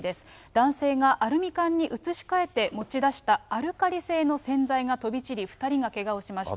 男性が、アルミ缶に移し替えて持ち出したアルカリ性の洗剤が飛び散り、２人がけがをしました。